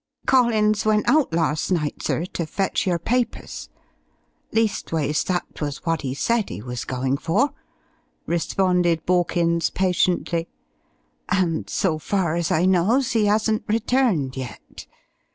"Collins went out last night, sir, to fetch your papers. Leastways that was what he said he was goin' for," responded Borkins patiently, "and so far as I knows he 'asn't returned yet.